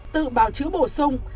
tự báo chứa bổ sung